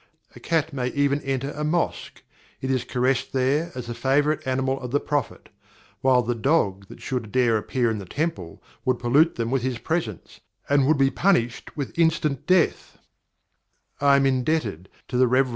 A Cat may even enter a Mosque; it is caressed there, as the Favourite Animal of the Prophet; while the Dog, that should dare appear in the Temples, would pollute them with his Presence, and would be punished with instant Death."[H] [H] Daniel's "Rural Sports," 1813. I am indebted to the Rev. T.